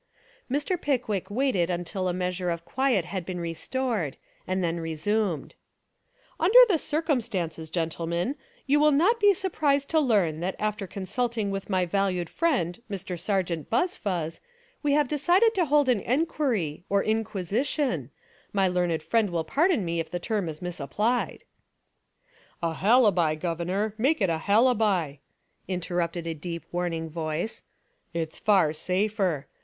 Mr. Pickwick waited until a measure of quiet had been restored and then resumed: "Under the circumstances, gentlemen, you will not be surprised to learn that after con sulting with my valued friend Mr. Sergeant 206 Fiction and Reality Buzfuz, we have decided to hold an enquiry, or inquisition, — my learned friend will pardon me if the term is misapplied." *'A halibi, governor, make it a halibi," In terrupted a deep warning voice, "it's far safer.